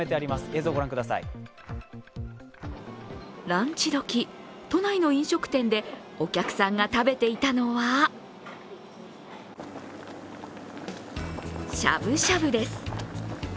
ランチどき、都内の飲食店でお客さんが食べていたのはしゃぶしゃぶです。